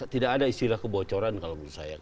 tidak ada istilah kebocoran kalau menurut saya